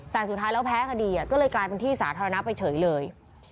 แต่สุดท้ายแล้วแพ้คดีก็เลยกลายเป็นที่สาธารณะไปเฉยเลย